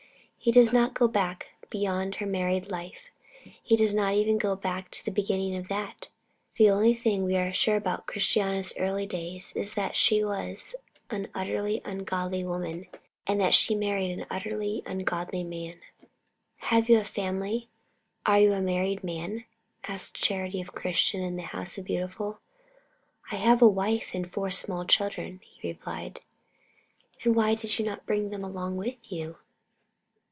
He does not go back beyond her married life; he does not even go back to the beginning of that. The only thing we are sure of about Christiana's early days is that she was an utterly ungodly woman and that she married an utterly ungodly man. "Have you a family? Are you a married man?" asked Charity of Christian in the House Beautiful. "I have a wife and four small children," he replied. "And why did you not bring them along with you?"